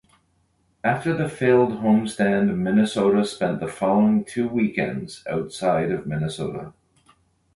After the failed homestand Minnesota spent the following two weekends outside of Minnesota.